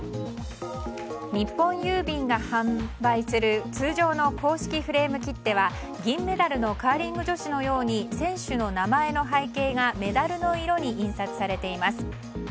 日本郵便が販売する通常の公式フレーム切手は銀メダルのカーリング女子のように選手の名前の背景がメダルの色に印刷されています。